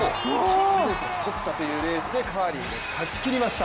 全てとったというレースでカーリー、勝ち切りました。